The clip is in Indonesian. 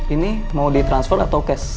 ini mau di transfer atau cash